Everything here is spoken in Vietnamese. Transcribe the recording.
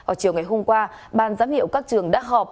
vào chiều ngày hôm qua ban giám hiệu các trường đã họp